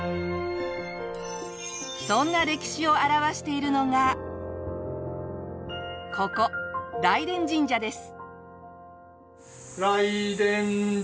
そんな歴史を表しているのがここ雷電神社です。